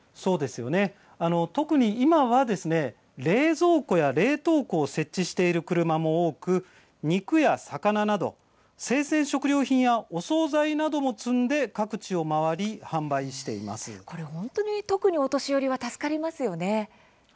特に今は冷蔵庫や冷凍庫を設置している車も多く肉や魚など生鮮食料品やお総菜なども積んで各地を回り本当に特にお年寄りは助かりますよね。